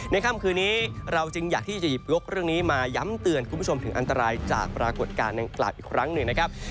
ค่ำคืนนี้เราจึงอยากที่จะหยิบยกเรื่องนี้มาย้ำเตือนคุณผู้ชมถึงอันตรายจากปรากฏการณ์ดังกล่าวอีกครั้งหนึ่งนะครับ